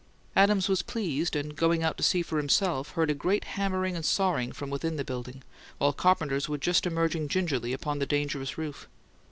Adams was pleased, and, going out to see for himself, heard a great hammering and sawing from within the building; while carpenters were just emerging gingerly upon the dangerous roof.